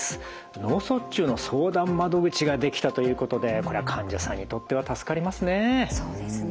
脳卒中の相談窓口が出来たということでこれは患者さんにとっては助かりますね。